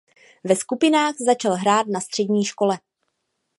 Ve skupinách začal hrát na střední škole.